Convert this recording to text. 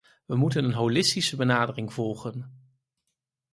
We moeten een holistische benadering volgen.